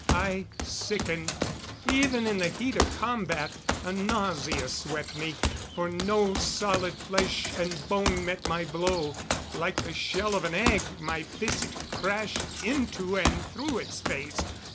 I sickened. Even in the heat of combat a nausea swept me. For no solid flesh and bone met my blow, like the shell of an egg, my fist crashed into and through its face.